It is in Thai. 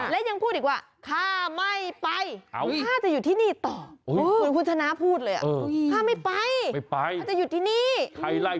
และยังพูดอีกว่าข้าไม่ไปข้าจะอยู่ที่นี่ต่อ